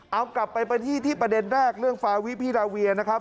เอากลับไปไปที่ที่ประเด็นแรกเรื่องฟาวิพิราเวียนะครับ